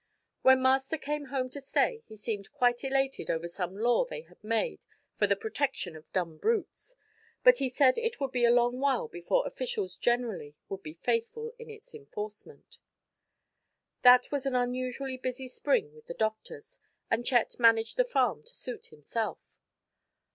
When Master came home to stay he seemed quite elated over some law they had made for the protection of dumb brutes, but he said it would be a long while before officials generally would be faithful in its enforcement. That was an unusually busy spring with the doctors, and Chet managed the farm to suit himself.